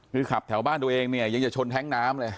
คือขับแถวบ้านตัวเองเนี่ยยังจะชนแท้งน้ำเลย